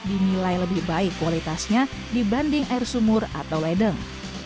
dinilai lebih baik kualitasnya dibanding air sumur atau ledeng